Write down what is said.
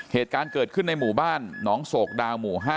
เหตุการณ์เกิดขึ้นในหมู่บ้านหนองโศกดาวหมู่๕